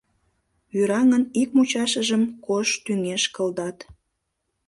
Вӱраҥын ик мучашыжым кож тӱҥеш кылдат.